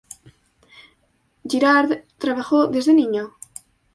Girard trabajó desde niño.